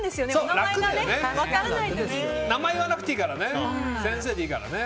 名前を言わなくていいもんね。